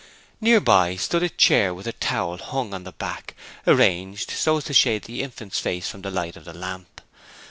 Nearby stood a chair with a towel hung on the back, arranged so as to shade the infant's face from the light of the lamp.